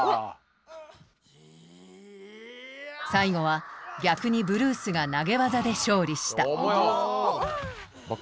最後は逆にブルースが投げ技で勝利した。